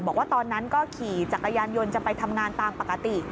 บอกว่าตอนนั้นก็ขี่จักรยานยนต์จะไปทำงานตามปกติ